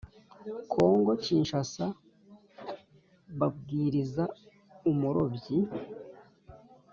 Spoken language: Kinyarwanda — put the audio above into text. Kongo kinshasa babwiriza umurobyi